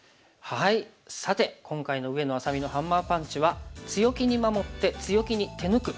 さて今回の上野愛咲美のハンマーパンチは「強気に守って強気に手抜く」を学びました。